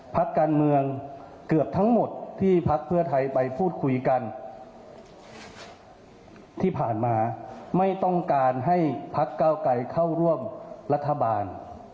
พักการเมืองเกือบทั้งหมดที่พักเพื่อไทยไปพูดคุยกันที่ผ่านมาไม่ต้องการให้พักเก้าไกรเข้าร่วมรัฐบาล